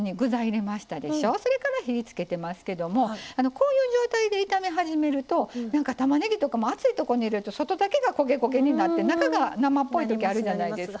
こういう状態で炒め始めるとたまねぎとかも熱いとこに入れると外だけが焦げ焦げになって中が生っぽいときあるじゃないですか。